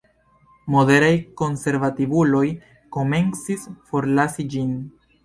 Moderaj konservativuloj komencis forlasi ĝin.